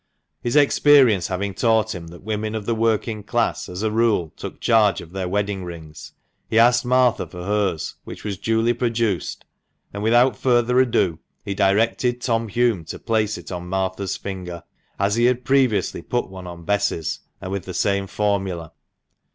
His experience having taught him that women of the working class, as a rule, took charge of their wedding rings, he asked Martha for hers, which was duly produced, and without further ado he directed Tom Hulme to place it on Martha's finger, as he had previously put one on Bess's, and with the same formula.